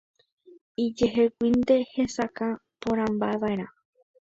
Ijeheguínte hesakã porãmbava'erã.